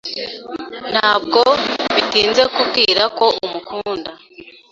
Ntabwo bitinze kubwira ko umukunda.